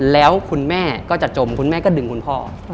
แล้วคุณแม่ก็จะจมคุณแม่ก็ดึงคุณพ่อ